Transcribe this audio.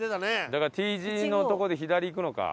だから丁字のとこで左行くのか。